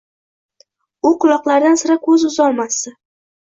U quloqlaridan sira ko‘z uzolmasdi.